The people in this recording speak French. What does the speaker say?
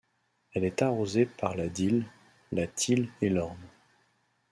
Elle est arrosée par la Dyle, la Thyle et l'Orne.